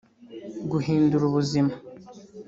Guhindura ubuzima